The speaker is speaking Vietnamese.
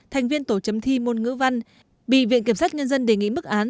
thành viên tổ chấm thi môn ngữ văn bị viện kiểm sát nhân dân đề nghị mức án